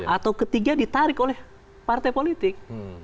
atau ketiga ditarik oleh partai politik